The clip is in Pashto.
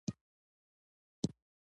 توبه د زړه پاکوالی ده.